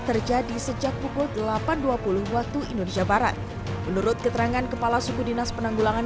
terjadi sejak pukul delapan dua puluh waktu indonesia barat menurut keterangan kepala suku dinas penanggulangan